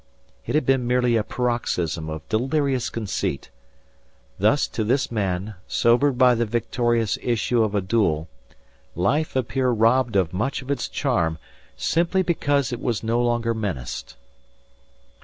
It had been merely a paroxysm of delirious conceit. Thus to this man sobered by the victorious issue of a duel, life appeared robbed of much of its charm simply because it was no longer menaced.